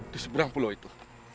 di seberang pulau itu